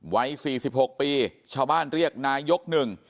ไว้๔๖ปีชาวบ้านเรียกนายยก๑